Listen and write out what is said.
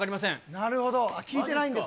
なるほど、聞いてないんです